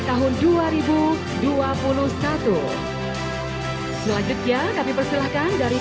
selanjutnya kami persilahkan dari